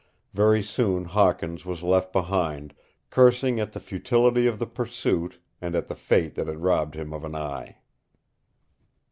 Very soon Hawkins was left behind, cursing at the futility of the pursuit, and at the fate that had robbed him of an eye.